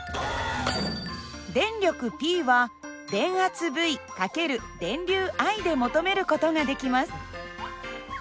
電力Ｐは電圧Ｖ×電流Ｉで求める事ができます。